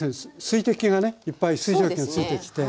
水滴がねいっぱい水蒸気がついてきて。